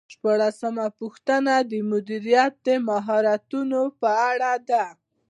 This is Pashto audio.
شپاړسمه پوښتنه د مدیریت د مهارتونو په اړه ده.